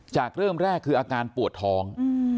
เริ่มแรกคืออาการปวดท้อง